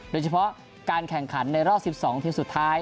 โดยเฉพาะการแข่งขันในรอบ๑๒ทีมสุดท้าย